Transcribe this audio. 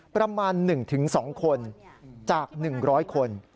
ประมาณ๑๒คนจาก๑๐๐คน